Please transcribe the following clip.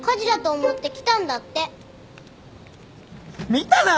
見たな！